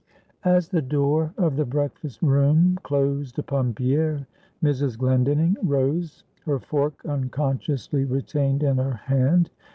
As the door of the breakfast room closed upon Pierre, Mrs. Glendinning rose, her fork unconsciously retained in her hand.